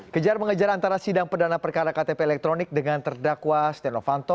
kejar mengejar antara sidang perdana perkara ktp elektronik dengan terdakwa stenovanto